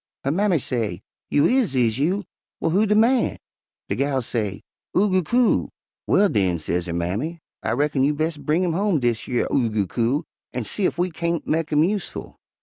Her mammy say, 'You is, is you? Well, who de man?' De gal say 'Oo goo coo.' 'Well, den,' sez her mammy, 'I reckon you bes' bring home dish yer Oo goo coo an' see ef we kain't mek him useful.